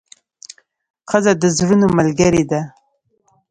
ښځه د زړونو ملګرې ده.